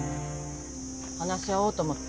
話し合おうと思って。